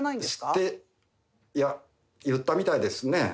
知っていや言ったみたいですね。